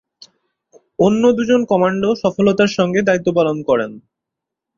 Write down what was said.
অন্য দুজন কমান্ডো সফলতার সঙ্গে দায়িত্ব পালন করেন।